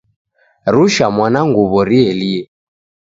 Rusha mwana nguw'o rielie.